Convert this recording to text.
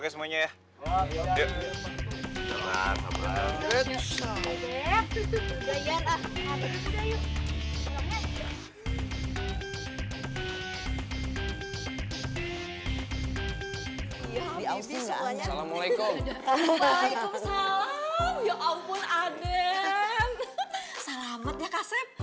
selamat ya kak sep